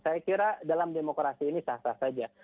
saya kira dalam demokrasi ini sah sah saja